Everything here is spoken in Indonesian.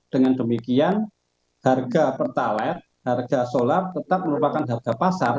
dengan demikian harga pertalat harga solar tetap merupakan harga pasar